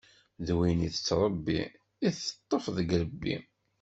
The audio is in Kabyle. D win tettṛebbi i teṭṭef deg irebbi.